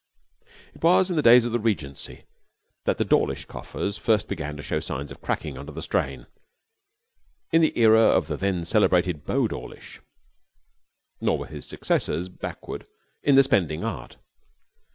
It was in the days of the Regency that the Dawlish coffers first began to show signs of cracking under the strain, in the era of the then celebrated Beau Dawlish. Nor were his successors backward in the spending art.